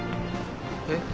えっ？